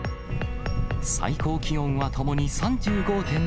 最高気温はともに３５．７度。